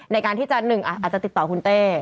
ในการที่จะหนึ่งอาจจะติดต่อคุณเต้